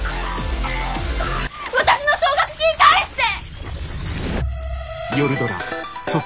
私の奨学金返して！